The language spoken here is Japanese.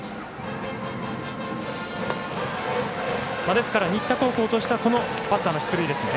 ですから、新田高校としてはこのバッターの出塁ですね。